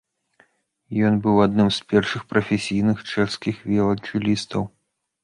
Ён быў адным з першых прафесійных чэшскіх віяланчэлістаў.